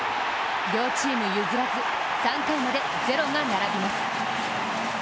両チーム譲らず、３回までゼロが並びます。